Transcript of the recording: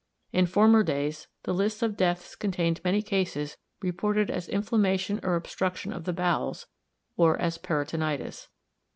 In former days, the lists of deaths contained many cases reported as inflammation or obstruction of the bowels, or as peritonitis.